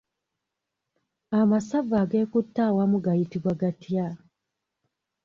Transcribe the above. Amasavu ageekutte awamu gayitibwa gatya?